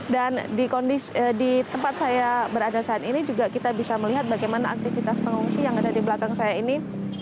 dan di tempat saya berada saat ini juga kita bisa melihat bagaimana aktivitas pengungsi yang ada di belakang saya ini